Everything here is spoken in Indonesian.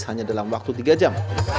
hanya dalam waktu tiga jam